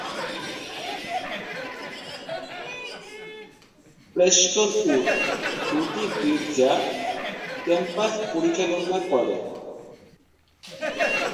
Prestonwood দুটি গির্জা campus পরিচালনা করে।